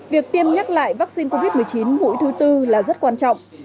việc tiêm nhắc lại vaccine covid một mươi chín mũi thứ tư là rất quan trọng